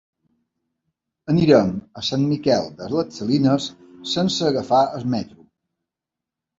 Anirem a Sant Miquel de les Salines sense agafar el metro.